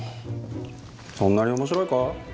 そんなに面白いか？